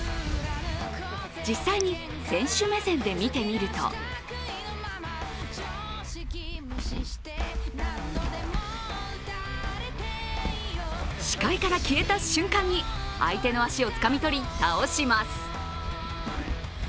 実際に選手目線で見てみると視界から消えた瞬間に相手の足をつかみ取り、倒します。